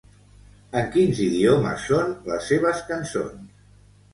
En quins idiomes són les seves cançons?